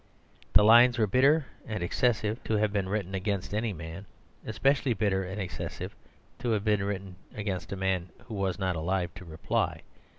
The lines were bitter and excessive to have been written against any man, especially bitter and excessive to have been written against a man who was not alive to reply.